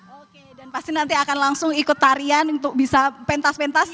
oke dan pasti nanti akan langsung ikut tarian untuk bisa pentas pentas